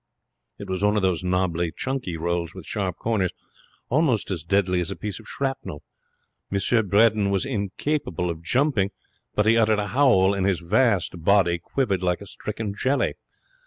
It was one of those nobbly, chunky rolls with sharp corners, almost as deadly as a piece of shrapnel. M. Bredin was incapable of jumping, but he uttered a howl and his vast body quivered like a stricken jelly.